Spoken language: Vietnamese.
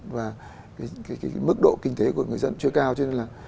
và cái mức độ kinh tế của người dân chưa cao cho nên là